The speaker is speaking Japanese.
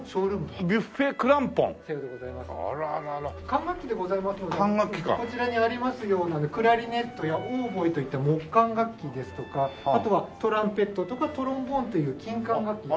管楽器でございますのでこちらにありますようなクラリネットやオーボエといった木管楽器ですとかあとはトランペットとかトロンボーンという金管楽器。